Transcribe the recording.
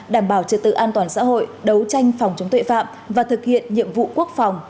đảm bảo trật tự an toàn xã hội đấu tranh phòng chống tội phạm và thực hiện nhiệm vụ quốc phòng